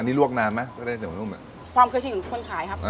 อันนี้ลวกนานมั้ยก็ได้เสียงมะนุ่มอ่ะความเครื่องชิ้นของคนขายครับอ่า